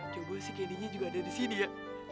jangan lupa si candy juga ada disini ya